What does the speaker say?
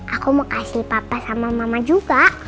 aku mau kasih patah sama mama juga